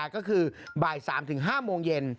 ก็คือบ่าย๓๕โมงเย็น